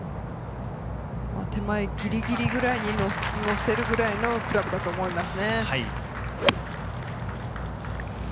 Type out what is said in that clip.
手前ぎりぎりぐらいに乗せるくらいのクラブだと思います。